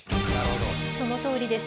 そのとおりです。